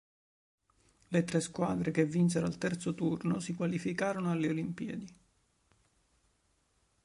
Le tre squadre che vinsero al terzo turno si qualificarono alle Olimpiadi.